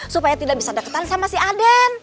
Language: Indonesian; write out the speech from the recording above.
supaya tidak bisa deketan sama si aden